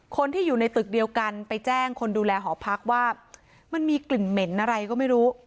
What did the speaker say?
คนที่อยู่ในตึกเดียวกันไปแจ้งคนดูแลหอพักว่ามันมีกลิ่นเหม็นอะไรก็ไม่รู้